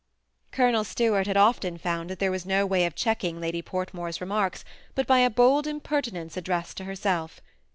Colonel Stuart had often found that there was no way of checking Lady Portmore's remarks but by a bold impertinence addressed to herself.